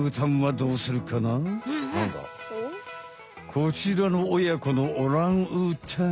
こちらのおやこのオランウータン。